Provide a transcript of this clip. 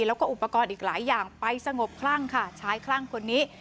แล้วก็อุปกรณ์อีกหลายอย่างไปสงบคลั่งค่ะชายคลั่งคนนี้